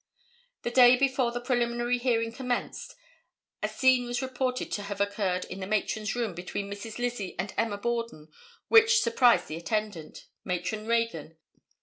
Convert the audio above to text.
The day before the preliminary hearing commenced, a scene was reported to have occurred in the matron's room between Misses Lizzie and Emma Borden which surprised the attendant, Matron Reagan.